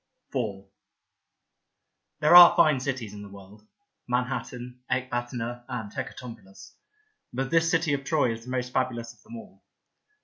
Beauty 49 IV THERE are fine cities in the world — Manhattan, Ecbatana and Hecatompylus — but this city of Troy is the most fabulous of them all.